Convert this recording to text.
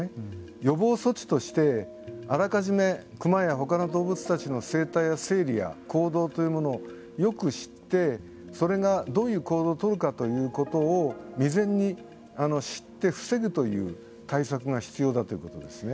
予防措置としてあらかじめクマやほかの動物たちの生態や生理や行動というものをよく知ってそれが、どういう行動をとるかということを未然に知って、防ぐという対策が必要だということですね。